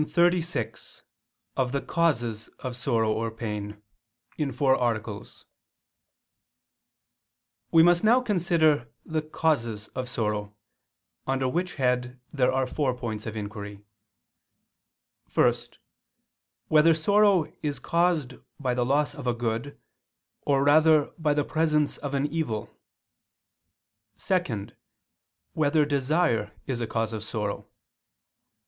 ________________________ QUESTION 36 OF THE CAUSES OF SORROW OR PAIN (In Four Articles) We must now consider the causes of sorrow: under which head there are four points of inquiry: (1) Whether sorrow is caused by the loss of a good or rather by the presence of an evil? (2) Whether desire is a cause of sorrow?